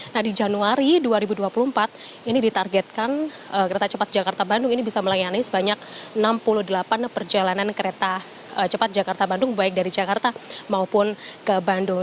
nah di januari dua ribu dua puluh empat ini ditargetkan kereta cepat jakarta bandung ini bisa melayani sebanyak enam puluh delapan perjalanan kereta cepat jakarta bandung baik dari jakarta maupun ke bandung